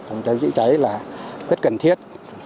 của đồng chí cháy là rất cần thiết